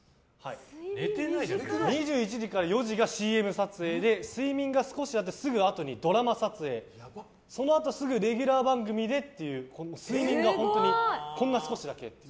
２１時から４時がＣＭ撮影で睡眠が少しあったすぐあとにドラマ撮影そのあとすぐレギュラー番組でっていう睡眠がこんなに少しだけ。